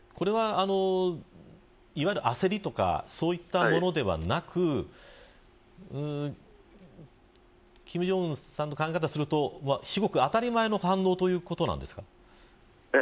いわゆる焦りとかそういったものではなく金正恩さんの考え方からすると至極、当たり前の反応ということでしょうか。